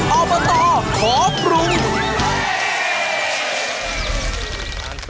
เอามาต่อขอบรุง